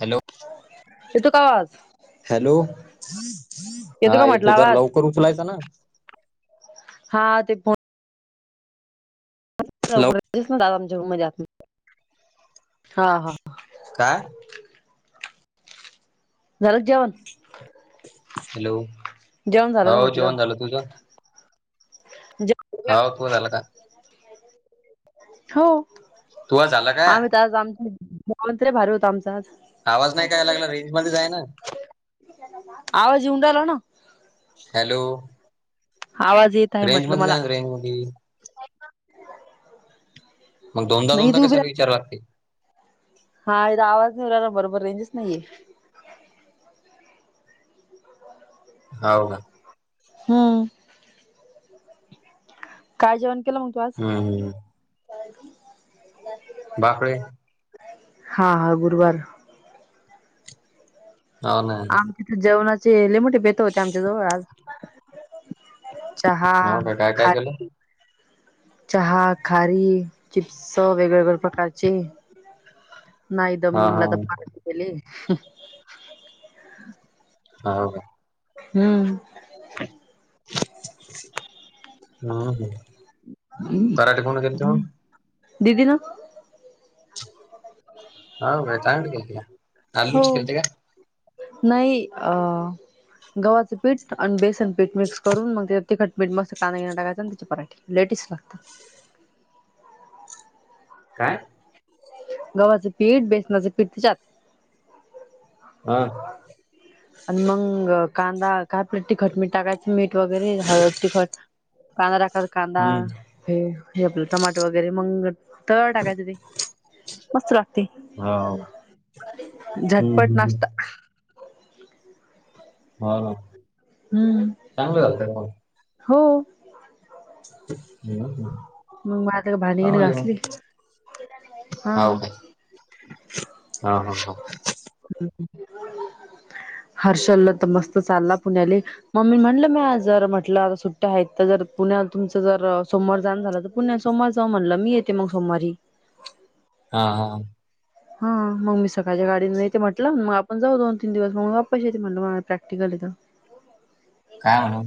Hello येतो का आवाज? हॅलो, हा का म्हटलं येतो. जरा आवाज लवकर उचलायचा ना. हा ते फोन लव [unintelligible] हा हा. काय? झालं जेवण? हॅलो! जेवण झालं का हो म्हटलं जेवण झालं तुझ? जेवण हाव, तुझं झाल का? हो, तू झाला का आम्ही तर आज आमच [unintelligible] होत आमचा आज. आवाज नाही काय लागला रेंज मध्ये जाय ना. आवाज येेवून राहीला ना. हॅलो! आवाज येत आहे रेंज म्हटलं मध्ये जा मला ना रेंज मध्ये. मग दोनदा नाही दोनदा तू उभी कशाला राह विचारा लागते? हा इथं आवाज नाही येऊ राहिला बरोबर, रेंजच नाहीये. हो का? हम काय जेवण केलं मग तु आज? हम्म भाकरी हा हा गुरुवार. ह ना तिथे जेवणाची लय मोठी बेत होती आमच्या जवळ आज. चहा हो का, काय काय केलं? खारी चहा, खारी, चिप्स वेगवेगळ्या प्रकारचे. नाय दम हा हा निघला तर [unintelligible] केली हो का? हम्म हम् हम दिदीनं हावं का चांगले केलते, हो. [unintelligible] नाही, अ गव्हाचं पीठ, आणि बेसन पीठ मिक्स करून मग त्या तिखट, मीठ मस्त कांदा बिंदा टाकायचा त्याची पराठी लय टेस्टी लागतं. काय? गव्हाचं पीठ, बेसनाचं पीठ त्याच्यात हा आणि मग कांदा काय आपलं तिखट, मीठ टाकाय मीठ वगैरे हळद, तिखट कांदा टाकत कांदा हम्म हे, हे आपलं टमाटं वगैरे मंग तव्यावर टाकायचं ते. मस्त लागते, हो हम्म झटपट हम्म नाश्ता हा ना हम्म् चांगलं झालत हो मग मग मग आता भांडी हो गिंडी मग घासली हम हा हा हा हर्षलला तर मस्त चालला पुण्याले म मी म्हटल, मी आज जर म्हटल सुट्ट्या आहेत तर, जर पुण्यात तुमच जर सोमवार जाण झाल तर पूढल्या सोमवार जाऊ म्हटल, मी येते मग सोमवारी हा हा हा मग मी सकाळच्या गाडीने येते म्हटल, मग आपण जाऊ दोन तीन दिवस मग वापस येते म्हटल म प्रॅक्टिकल ए त काय म्हण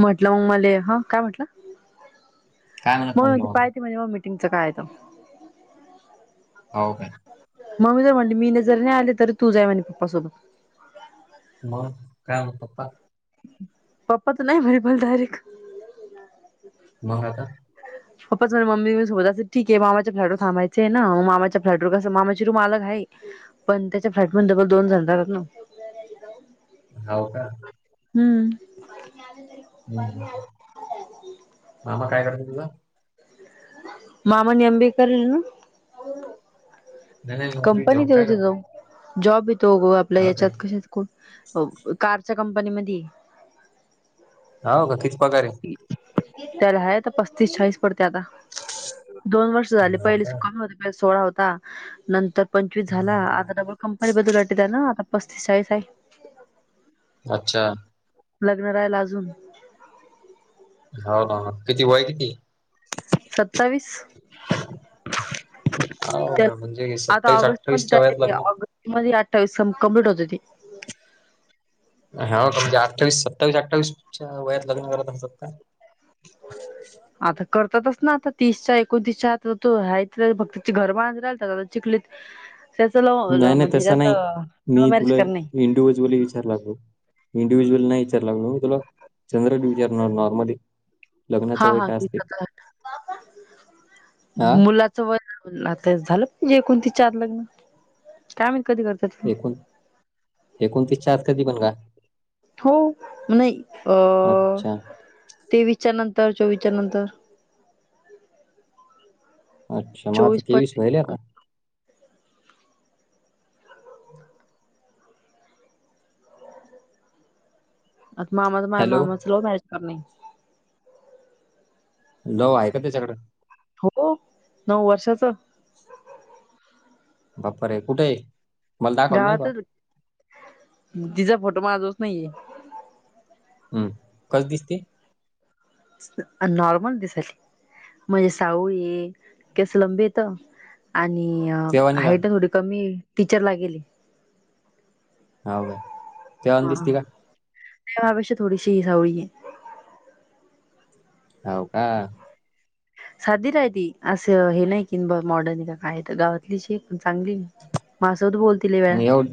म्हटलं मग मला, ह काय म्हटलं? काय म्हणत म्हटलं मग पाय [unintelligible] मिटिंगचं काय हो का. मम्मी तर म्हटली, मी नाही जरी नाही आले, तरी तू जाय म्हणे पप्पासोबत. मग काय होत पप्पा. पा्पा तर नाही मरी बोलते मला डायरीख मग आता पप्पाच मम्मी मी सोबत असे ठीक आहे मामाच्या फ्लॅट थबाचय ना मग मामाच्या फ्लॅटवर कस मामाची रूम अलग आहे पण त्याच्या फ्लॅट मध्ये दोन जन राहत्यात ना हाव का हम्म् हम् मामा काय करतो तुझा मामानी एम बि करीलना नाही नाही नोकरी जॉब कंपनीत येतो काय जाऊ जॉब येतो ग आपल्या हो काय याच्यात कश कारच्या कंपनी मधी होका किती पगार ये. त्याला हायेत पस्तीस चाळीस पडते आता दोन वर्ष हो पहिले का स्काल सोळा होता नंतर पंचवीस झाला आता डबल कंपनी बदलली वाटत त्यान आता पस्तीस चाळीस आहे अच्छा लग्न रायल अजून हो हो हो किती वय किती सत्तावीस हो ना त्याला म्हणजे आता सत्तावीस ऑगस्ट अठ्ठावीसच्या वयात मध्ये लग्न ऑगस्ट मध्ये अठ्ठावीस कमप्लीट होते ते हो का म्हणजे अठ्ठावी सत्तावीस अठ्ठावीसच्या वयात लग्न करत असतात का आता करतातच ना आता तीसच्या एकोणतीसच्या आ तो आहे तर फक्त घर बांधत राहिलत आता चिखली नाही नाही तस नाही लव्ह मी मॅरेज तुला करणे इंडिव्हज्युअली विचारला होत इंडिव्हिज्युअल नाही विचारय लागल मी तुला चंद्र विचाणार नॉर्मली लग्नाचं हा वय हा काय असते हा मुला आता झाल म्हणे एकोनतीस चार ला लग्न काय माहित कधी करतो एकूण एकोणतीस च्या आत कधी पण का हो नाही अ अच्छा तेवीसच्या नंतर चोवीसच्या नंतर अच्छा मग आता चोवीस तेवीस व्हयले पंचवीस आता मामाच माह्या हॅलो मामाच लव्हमॅरेज करणे डव आहे का त्याच्याकड हो नऊ वर्षाच बापरे कुठे ये गावातच तिचा फोटो माझोळच नाहीये हम्म् कस दिसती नॉर्मल दिसयली म्हणजे सावळी केस लंबी येत आणि तेव्हानी का हाईट थोडी कमी तीचर ला गेली. हो का? तेव्हानी हा दिसते का ते्हापेक्षा थोडीशी ह सावळी आहे. हो का? साधी राय त असं हे नाही की ब मॉडर्न का काय तर गावातली शे पण चांगली. मासौत बोलतील व मग एवढ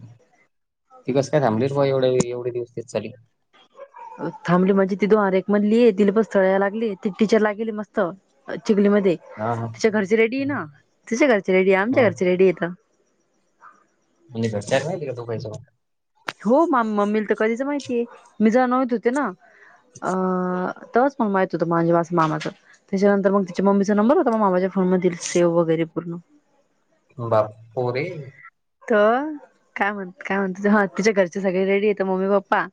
ती कस काय थबलीर ब एवढ एवढ दिवसच चाली. थाबली म्हणे तिथं अरे एक म्हणली आहे तिला पण स्थळाला लागली ती टीचर ला गेली मस्त चिखली मध्ये हा हा तिच्या घरचे रेडी ये ना तिच्या घरचे रेडी ये आमच्या हा. घरचे रेडीयेत म्हणजे घरच्यायने नाहीे का तु काही स हो मम्मी मम्मीला तर कधीच माहितीय मी जाणवत होते ना अ तवाच मग माहित होत माझे वा मामाच त्याच्यानंतर मग तिच्या मम्मीचा नंबर होता म मामा मधील सेव वगैरे पूर्ण बापुर तर काय म्हणत काय म्हणत ह तिच्या घरचे सगळे रेडी येत मम्मी पप्पा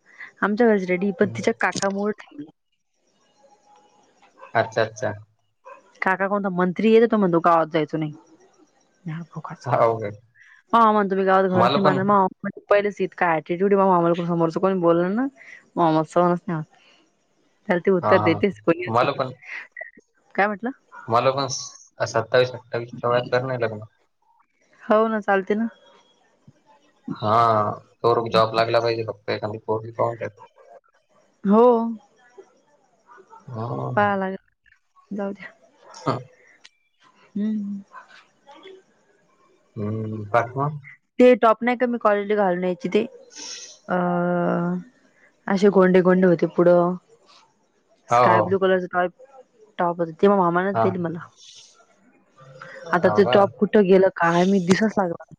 आमच्या घरचे रेडी पण तिच्या काकामुळे थांबलं. अच्छा अच्छा. काका कोणता मंत्री येत तो म्हण तो गावात जायचो नाही. हो हो काय म्हग तुम्ही गावात घरच मला नि पण बांधण म्हण पहिलेच इतका टिट्यूड समोरच कोणी बोलणार ना आम्हाला सहनच होणार ना. त्याल ती हा उत्तर हा देतेस को मला पण काय म्हटलं? मला पण सत्तावीस अठ्ठावीसच्या वयात कर नाही लग्न हो ना चालते ना. हा तो जॉब लागला पाहिजे फक्त एखादी पोरगी पाहून ठेवायल हो. हा. पाहा लागेल जाऊ दया हा. हम्म. हम्म बाकी मग? ते टॉप नाही का मी कॉलेजला घालून यायची ते अ असे गोंडे गोंडे होते पुढं हो स्काय हो ब्लू कलरच टॉयप टॉप तेव्हा मामानाच हा हो दिली मला आता ते का टॉप कुठ? कुठं गेला काय महित दिसच ना झाला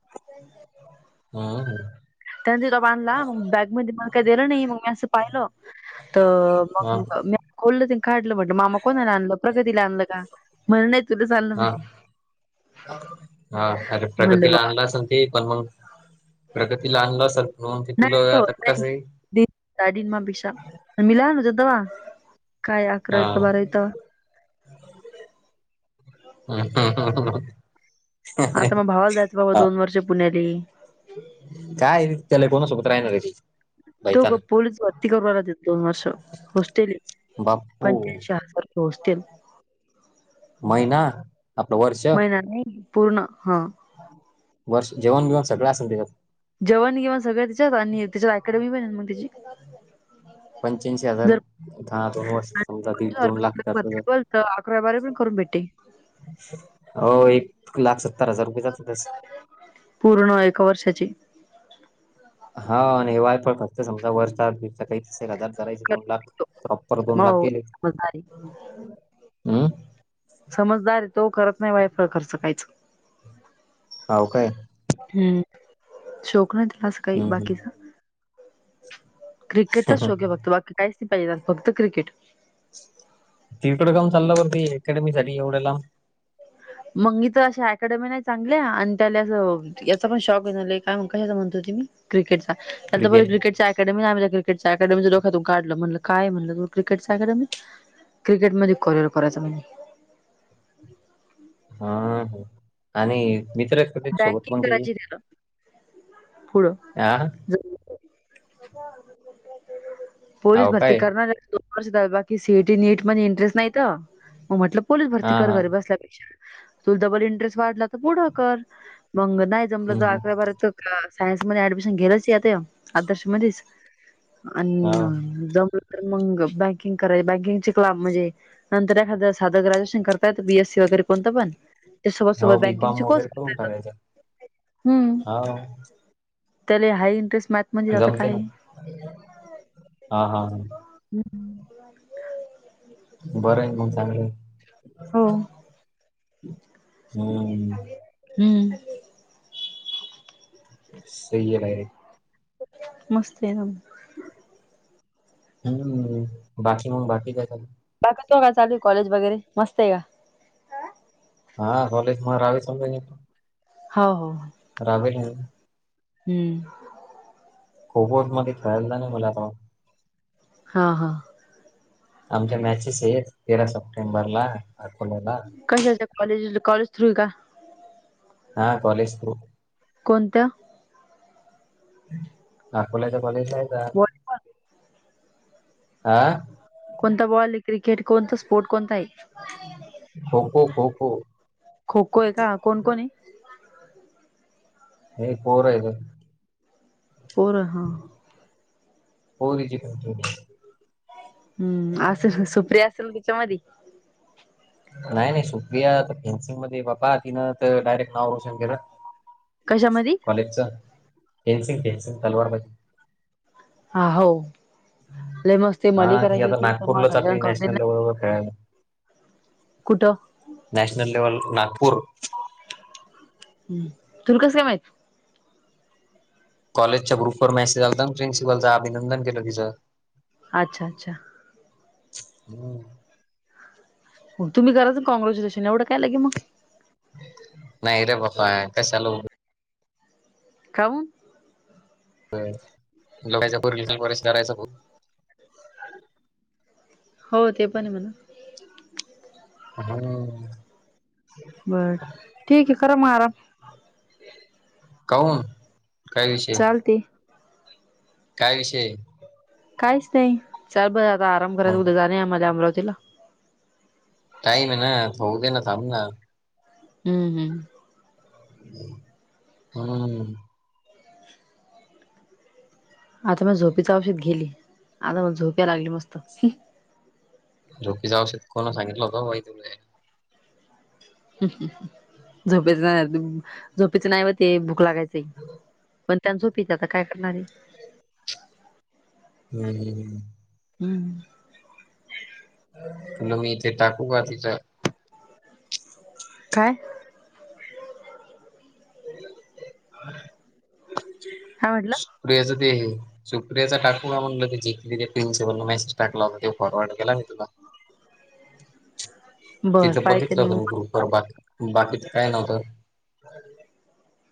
हा. त्यान तो बांधला मग बॅगमध्ये मला काही दिलं नाही मग मी असं पाहिलं. तर हा मग मी खोललं काढलं म्हणट मामा कोणाला आणलं? प्रगतीला आणलं का म्हणे नाही तुलाच आणललं हा म्हणे. हा अरे म्हणलं प्रगतीला वा आणला असेल. ते पण मग प्रगती आणनलं असेल म्हणून ते तुला आता कसं आहे ाडी म पिशा मिला नझ दवा काय अकराय क बारा य ह ह ह. आता मग भावाला द्यायचं बाबा दोन वर्ष पुण्याली काय त्याला कोणासोबत राहिणार. तो ग पोलीस भरती करावाय लागेल दोन वर्ष हॉस्टेल बाप्पू पच्याऐशी हजार होस्टेल महिना आपलं वर्ष महिना नाही पूर्ण हा. वर्ष जेवण बेवण सगळं असेल त्याच्यात जेवण गिवन सगळं तिच्यावानी तिची अकॅडमी पण मग तिची पंच्याऐंशी हजार दोन वर्ष समजा दिड दोन लाख जाते कबारी पण करून भेटे हो एक लाख सत्तर हजार रुपये जातो असं पूर्ण एका वर्षाची हा आणि वायफळ खर्च पण खच समजा वरचार काही त एक हजार करायचे दोन लाख हो प्रॉपर दोन लाख गेले समजदार आहे हम्म समजदार आहे तो करत नाही वायफळ खर्च काहीच हाव काय? हम्म, शोक नाही तिला असं काही हम्म हम्म. बाकीचा. क्रिकेटचा शौक आहे फक्त बाकी कायच पाहिजेेत फक्त क्रिकेट तीर्टोडकाम चाललंवरती अकॅडमीसाठी एवढ्याला मग मी तर अशा अकॅडमी नाही चांगल्या आणि त्याला असं. याचा पण शॉक येणारय कशाचा म्हणतं होते मी क्रिकेटचा त्या बरं क्रिकेट क्रिकेटचा अकेडमी क्रिकेटच्या अकडमी डोख्यातून काढलं म्हणलं कायणलं तू क्रेटच्या अकॅडमी क्रिकेटमध्ये करिअर करायं म्हणजे हा आणि मित्र का ते सोबत बँकिंग मग त्याचे करायची गेलं पुढं हा [unintelligible] पोलीस हाव भर्ती काय करणार [unintelligible] बा की सी ई टी नीट मध्ये इंटरेस्ट नाहीत मग म्हटलं पोलीस भरती हा कर हा घरी बसल्यापेक्षा. तुल डबल इंटरेस्ट वाढला का पुढ कर. मंग नाही जमलं हम्म तर हम्म आकरा बारा तक अ सायन्स मध्ये ऍडमिशन गेलंच आता या आदर्श मध्येच अन हाव जमलं तर मग बँकिंग कराय बँकिंगचे क्ला म्हणजे नंतर एखादया सादं ग्रॅज्युएशन करतायत बीएसी वगैरे कोणता पण त्या सोबत-सोबत बँकिंगचे कोर्स येतात. सगळ्यांचा हम्म हा हो. त्याला हाय इंटरेस्ट मा जमते ना हा हा हा. [unintelligible] बरं आहे मंग चांगलं हो हम्म. हम्म. सही आहे डायरेक् मस्त हे ना मग. हम्म बाकी मग बाकी काय कर बाकी केव्हा चालू कॉलेज वगैरे मस्त आहे का? हा कॉलेज मलावी समजा नी. हाव हो. रावेली तू हम्म. खो खो मध्ये खेळायला जा ना मला पाव हा हा. आमच्या मॅचेस आहेत तेरा सप्टेंबरला अकोल्याला. कशाच्या कॉलेज कॉलेज थ्रू आहे का? हा कॉलेज थ्रू. कोणत्या? अकोल्याचा कॉलेज आहे का बॉल हा? कोणता बॉल क्रिकेट कोणता स्पोर्ट कोणता आहे? खो-खो खो-खो. खो-खो आहे का कोण-कोण आहे? हे पोरं आहे गं. पोरं हा. पोरी. [unintelligible] हम्म, असेल सुप्रिया असेल तिच्यामध्ये नाही-नाही सुप्रिया आता फेन्सिंग मध्ये बापा तिनं तर डायरेक्ट नावं रोशन केलं. कशामध्ये कॉलेजचा फेनसिंग फेनसिंग तलवारबाजी. हा हो लय मस्ती मली करायची होती तर मग घरज्या करू देत ना बरोबर खेळायला कुठं नॅशनल लेवल नागपूर. तुला कसं आहे माहित? कॉलेजच्या ग्रुपवर मेसेज आलता ना प्रिन्सिपल चा अभिनंदन केलं तिचं. अच्छा अच्छा. हम. तुम्ही करायचं काँग्रॅच्युलेशन एवढं काय लगे मग. नाही रे बप्पा ये कशाला उग काऊन. [unintelligible] हो ते, पण आहे म्हणा. हम्म. बरं ठीक आहे, करा मग आराम. काऊन काय विषय. चालते काय विषय. कायच नाही, चालू बर आता आराम करायच मग उद्या जायचं आम्हाला अमरावतीला. टाईम आहे ना, होऊ दे ना थांब ना. हम्म हम्म. हम्म. आता मी झोपीच औषध घ्याली, आता मग झोप या लागली मस्त. झोपेच औषध खाऊ नको, सांगितलं होतं बाई तुरे. झोपेच झोपेच नाही, ते भूक लागायचं पण. त्यात झोप येते, आता काय करणारे. हम् हम हम. हम्म. मग मी इथे, टाकू का गं तिथ. काय. [unintelligible] काय म्हंटला. प्रियाच ते, सुप्रिया च टाकू का म्हणलं, जे ते प्रि्सिपल न मेसेजाला होता ते फॉरवर्ड केला का मी तुला. बर तिथं पाहते बघितलं ना मग होतं, मी ग्रुप वर बाकी बाकीच काय नव्हतं.